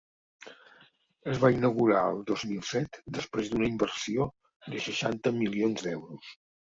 Es va inaugurar el dos mil set, després d’una inversió de seixanta milions d’euros.